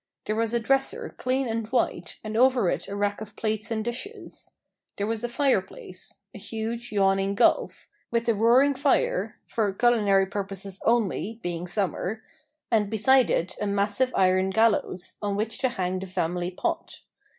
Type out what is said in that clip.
There was a dresser, clean and white, and over it a rack of plates and dishes. There was a fire place a huge yawning gulf; with a roaring fire, (for culinary purposes only, being summer), and beside it a massive iron gallows, on which to hang the family pot.